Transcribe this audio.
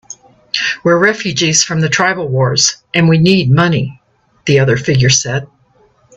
"We're refugees from the tribal wars, and we need money," the other figure said.